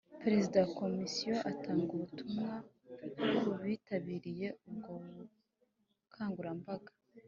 Perezida wa Komisiyo atanga ubutumwa ku bitabiriye ubwo bukangurambaga